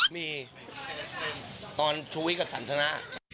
มีตอนชุมีกับสรรชนะ